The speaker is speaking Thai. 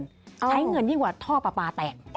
ใช้เงินยิ่งกว่าท่อปลาปลาแตก